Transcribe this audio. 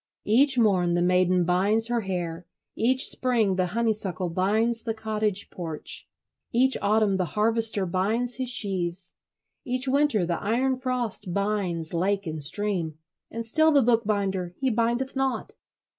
Each morn the maiden binds her hair, each spring the honeysuckle binds the cottage porch, each autumn the harvester binds his sheaves, each winter the iron frost binds lake and stream, and still the bookbinder he bindeth not.